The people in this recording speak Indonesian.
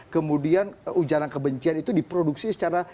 kemudian ujaran kebencian itu diproduksi secara